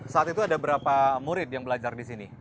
saat itu ada berapa murid yang belajar di sini